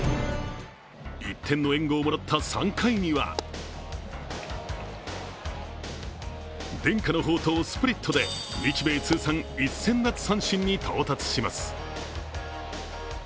１点の援護をもらった３回には伝家の宝刀・スプリットで日米通算１０００奪三振に到達します。